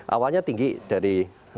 awalnya tinggi dari dua